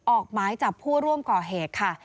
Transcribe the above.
ออกหมายจับผู้ร่วมก่อเหตุค่ะ